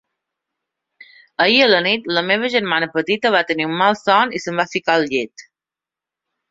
Ahir a la nit, la meva germana petita va tenir un malson i se'm va ficar al llit.